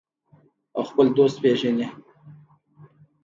او خپل دوست پیژني.